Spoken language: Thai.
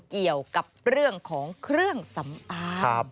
เกี่ยวกับเรื่องของเครื่องสำอาง